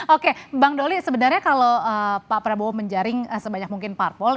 oke bang doli sebenarnya kalau pak prabowo menjaring sebanyak mungkin parpol